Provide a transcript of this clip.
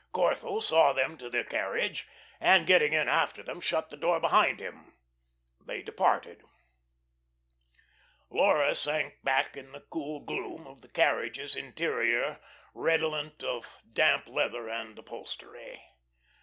Corthell saw them to the carriage, and getting in after them shut the door behind him. They departed. Laura sank back in the cool gloom of the carriage's interior redolent of damp leather and upholstery.